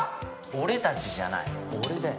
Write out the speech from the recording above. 「俺たち」じゃない「俺」だよ。